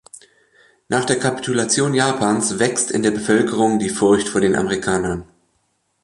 Nach der Kapitulation Japans wächst in der Bevölkerung die Furcht vor den Amerikanern.